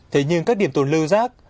thế nhưng các điểm tồn lưu rác